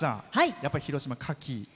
やっぱり広島、カキ？